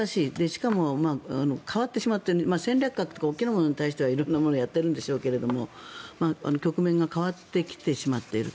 しかも、変わってしまっていて戦略核とか大きなものに関しては色んなものをやってるんでしょうけど局面が変わってきてしまっている。